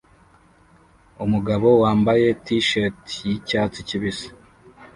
Umugabo wambaye t-shirt yicyatsi kibisi